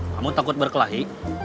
kamu takut berkelahi